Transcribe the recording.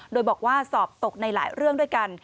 โดยบอกว่าสอบตกในหลายเรื่องด้วยกัน